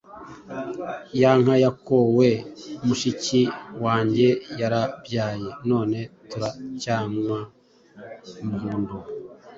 Ya nka yakowe mushiki wange yarabyaye none turacyanywa umuhondo.